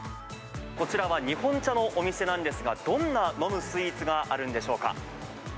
こちらは日本茶のお店なんですが、どんな飲むスイーツがあるんでしょうか。